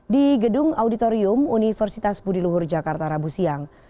di gedung auditorium universitas budiluhur jakarta rabu siang